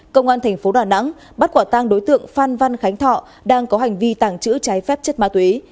công an thành phố đà nẵng bắt quả tang đối tượng phan văn khánh thọ đang có hành vi tàng trữ trái phép chất ma túy